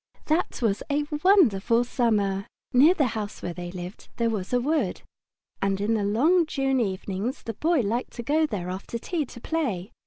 That was a wonderful Summer! Near the house where they lived there was a wood, and in the long June evenings the Boy liked to go there after tea to play.